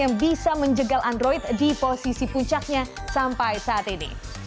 yang bisa menjegal android di posisi puncaknya sampai saat ini